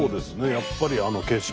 やっぱりあの景色